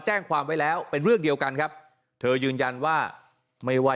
แจ้งความไว้แล้วเป็นเรื่องเดียวกันครับเธอยืนยันว่าไม่ว่า